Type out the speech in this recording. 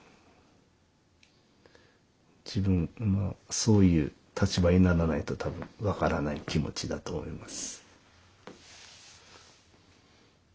そういう立場にならないと多分分からない気持ちだと思います。